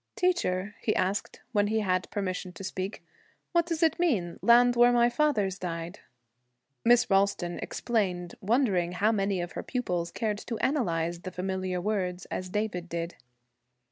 'Teacher,' he asked, when he had permission to speak, 'what does it mean, "Land where my fathers died"?' Miss Ralston explained, wondering how many of her pupils cared to analyze the familiar words as David did.